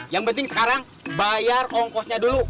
yang penting sekarang bayar ongkosnya dulu